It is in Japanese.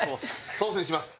ソースにします。